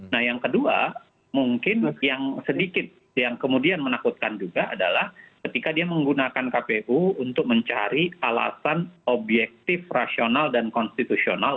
nah yang kedua mungkin yang sedikit yang kemudian menakutkan juga adalah ketika dia menggunakan kpu untuk mencari alasan objektif rasional dan konstitusional